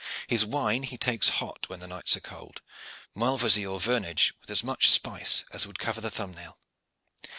His wine he takes hot when the nights are cold, malvoisie or vernage, with as much spice as would cover the thumb nail.